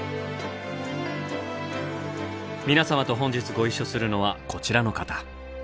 皆様と本日ご一緒するのはこちらの方。